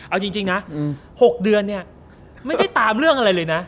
เอาจริงนะ๖เดือนเนี่ยไม่ได้ตามเรื่องอะไรเลยนะ